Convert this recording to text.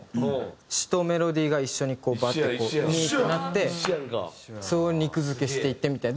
詞とメロディーが一緒にバッてこうなってそこを肉付けしていってみたいな。